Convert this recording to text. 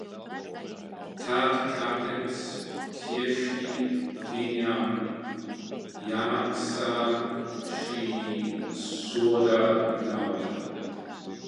Tad kāpēc tieši viņam jāmaksā šī soda nauda?